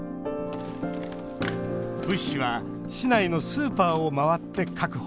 物資は市内のスーパーを回って確保。